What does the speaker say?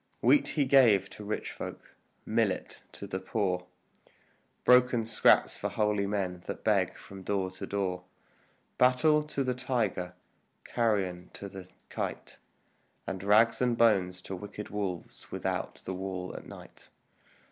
Wheat he gave to rich folk, millet to the poor, Broken scraps for holy men that beg from door to door; Battle to the tiger, carrion to the kite, And rags and bones to wicked wolves without the wall at night.